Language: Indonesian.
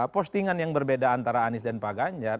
postingan yang berbeda antara anies dan pak ganjar